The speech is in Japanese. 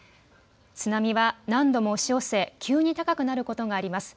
津波は何度も押し寄せ急に高くなることがあります。